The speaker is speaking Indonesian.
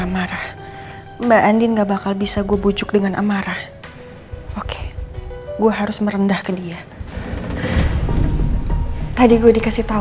jadi kamu ngototin siapa